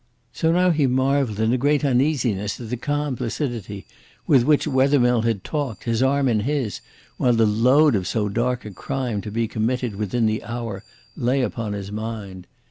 So now he marvelled in a great uneasiness at the calm placidity with which Wethermill had talked, his arm in his, while the load of so dark a crime to be committed within the hour lay upon his mind.